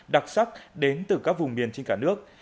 đặc sắc đến từ các vùng miền trên cả nước